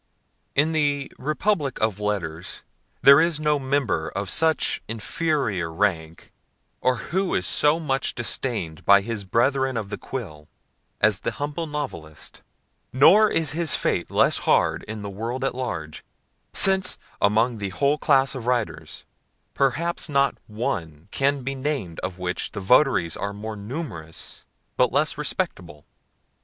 IN the republic of letters, there is no member of such inferior rank, or who is so much disdained by his brethren of the quill, as the humble Novelist; nor is his fate less hard in the world at large, since, among the whole class of writers, perhaps not one can be named of which the votaries are more numerous but less respectable.